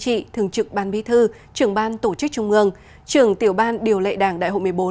trị thường trực ban bí thư trưởng ban tổ chức trung ương trưởng tiểu ban điều lệ đảng đại hội một mươi bốn